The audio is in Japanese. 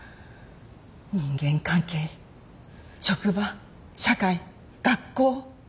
人間関係職場社会学校規則。